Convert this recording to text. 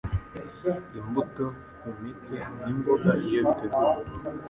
Imbuto, impeke, n’imboga iyo biteguwe